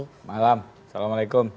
selamat malam assalamualaikum